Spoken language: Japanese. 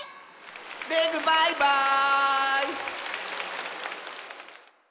レグバイバーイ！